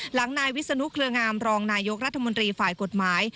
หลังนายวิศนุเครืองามรองนายกรัฐมนตรีฝ่ายกฎหมาย